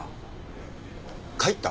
帰った！？